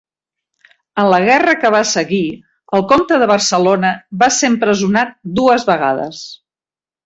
En la guerra que va seguir, el comte de Barcelona va ser empresonat dues vegades.